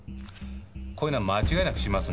こういうのは間違いなくしますね。